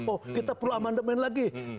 oh kita perlu amandemen lagi